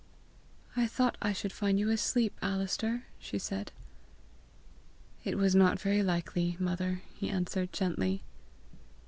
"I thought I should find you asleep, Alister!" she said. "It was not very likely, mother!" he answered gently.